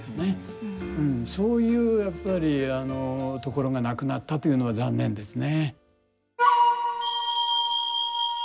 そういうやっぱりところがなくなったというのは残念ですね。